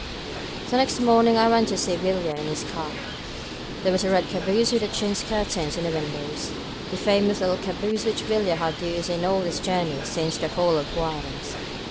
The next morning I went to see Villa in his car. This was a red caboose with chintz curtains on the windows, the famous little caboose which Villa has used in all his journeys since the fall of Juarez.